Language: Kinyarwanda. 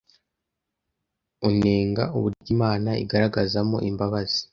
unenga uburyo Imana igaragazamo imbabazi